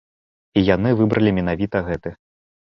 І яны выбралі менавіта гэты.